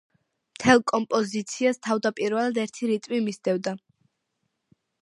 მთელ კომპოზიციას თავდაპირველად ერთი რიტმი მისდევდა.